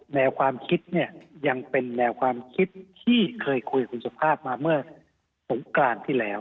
แนวความคิดเนี่ยยังเป็นแนวความคิดที่เคยคุยกับคุณสุภาพมาเมื่อสงกรานที่แล้ว